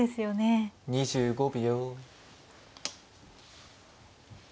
２５秒。